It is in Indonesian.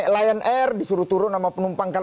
lion air disuruh turun sama penumpang kan